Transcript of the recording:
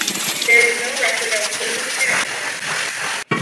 There is no record of who his parents were.